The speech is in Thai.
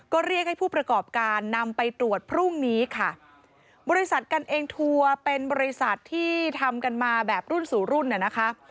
ก็เรียกให้ผู้ประกอบการนำไปตรวจพรุ่งนี้ค่ะบริษัทกันเองทัวร์เป็นบริษัทที่ทำกันมาแบบรุ่นสู่รุ่นน่ะนะคะ